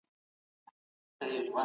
دولتي پلانونه باید څېړونکو ته لار وښيي.